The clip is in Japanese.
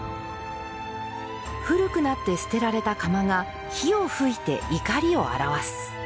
古くなって捨てられた釜が火を吹いて怒りを表わす。